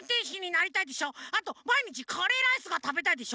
あとまいにちカレーライスがたべたいでしょ。